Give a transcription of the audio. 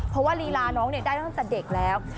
เพราะว่าลีลาน้องได้ตั้งแต่เด็กแล้ว